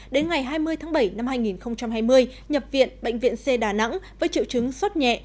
đến ngày hai mươi tháng bảy năm hai nghìn hai mươi nhập viện bệnh viện c đà nẵng với triệu chứng sốt nhẹ